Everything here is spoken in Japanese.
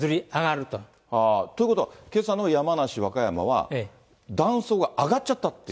ということは、けさの山梨、和歌山は、断層が上がっちゃったっていう。